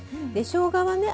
しょうがはね